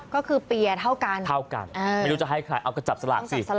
ก็คือเปียร์เท่ากันเท่ากันไม่รู้จะให้ใครเอาก็จับสลากสิ